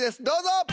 どうぞ！